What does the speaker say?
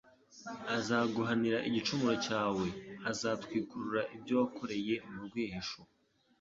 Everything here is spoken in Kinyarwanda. azaguhanira igicumuro cyawe azatwikurura ibyo wakoreye mu rwihisho